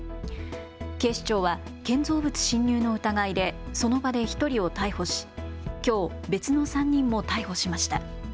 警視庁は建造物侵入の疑いでその場で１人を逮捕しきょう別の３人も逮捕しました。